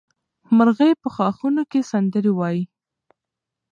مرغۍ په ښاخونو کې سندرې وایي.